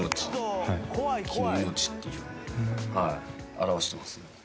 表してます。